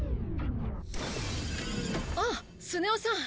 あっスネ夫さん